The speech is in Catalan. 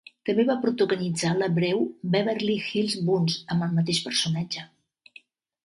També va protagonitzar la breu "Beverly Hills Buntz" amb el mateix personatge.